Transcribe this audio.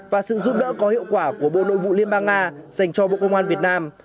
và sự giúp đỡ có hiệu quả của bộ nội vụ liên bang nga dành cho bộ công an việt nam